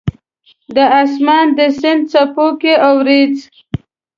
د اسمان د سیند څپو کې اوریځ